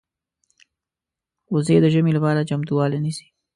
وزې د ژمې لپاره چمتووالی نیسي